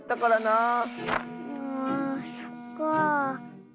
あそっかあ。